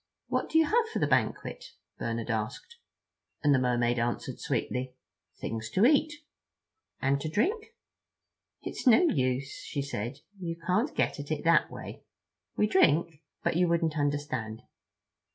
"What do you have for the banquet?" Bernard asked; and the Mermaid answered sweetly: "Things to eat." "And to drink?" "It's no use," said she; "you can't get at it that way. We drink—but you wouldn't understand."